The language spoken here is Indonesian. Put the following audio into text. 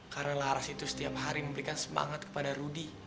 karena laras itu setiap hari memberikan semangat kepada rudy